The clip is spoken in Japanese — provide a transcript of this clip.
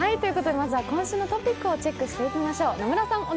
まずは今週のトピックをチェックしていきましょう。